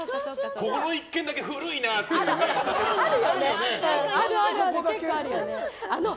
この１軒だけ古いなって建物あるよね。